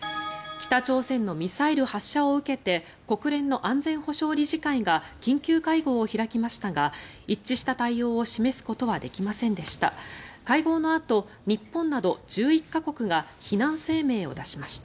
北朝鮮のミサイル発射を受けて国連の安全保障理事会が緊急会合を開きましたが一致した対応を示すことはできませんでした。